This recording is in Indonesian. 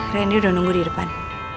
rendy udah nunggu di depan